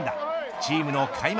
チームの開幕